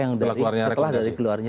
setelah keluarnya rekomendasi